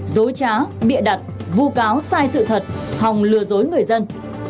dối trá bịa đặt vu cáo sai sự thật hòng lừa dối người dân